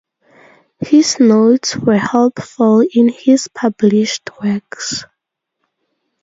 His notes were helpful in his published works.